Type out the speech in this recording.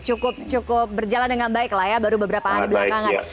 cukup berjalan dengan baik lah ya baru beberapa hari belakangan